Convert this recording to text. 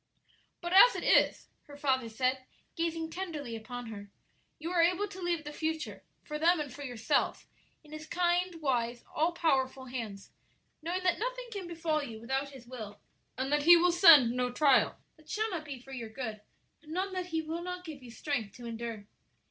"But as it is," her father said, gazing tenderly upon her, "you are able to leave the future, for them and for yourself, in His kind, wise, all powerful hands, knowing that nothing can befall you without His will, and that He will send no trial that shall not be for your good, and none that He will not give you strength to endure?"